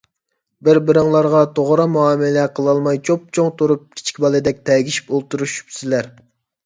بىر - بىرىڭلارغا توغرا مۇئامىلە قىلالماي چوپچوڭ تۇرۇپ كىچىك بالىدەك تەگىشىپ ئولتۇرۇشۇپسىلەر.